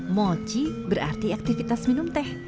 mochi berarti aktivitas minum teh